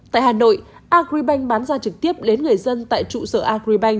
tại hà nội agribank bán ra trực tiếp đến người dân tại trụ sở agribank